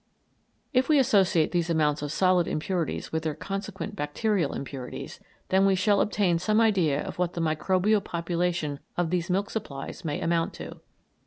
If we associate these amounts of solid impurities with their consequent bacterial impurities, then we shall obtain some idea of what the microbial population of these milk supplies may amount to.